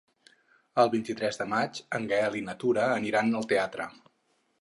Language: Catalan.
El vint-i-tres de maig en Gaël i na Tura aniran al teatre.